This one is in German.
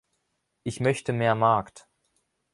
Ich möchte mehr Markt.